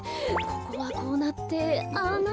ここがこうなってああなって。